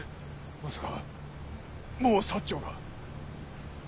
まさかもう長が。